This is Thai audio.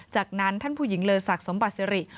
จากนั้นท่านผู้หญิงเลอศักดิ์สมบัติสิริ